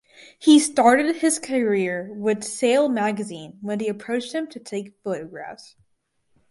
He started his career with "Sail Magazine" when they approached him to take photographs.